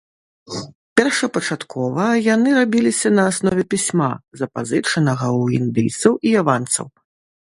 Першапачаткова яны рабіліся на аснове пісьма, запазычанага ў індыйцаў і яванцаў.